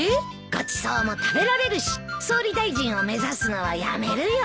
ごちそうも食べられるし総理大臣を目指すのはやめるよ。